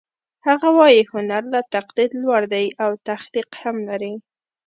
هغه وايي هنر له تقلید لوړ دی او تخلیق هم لري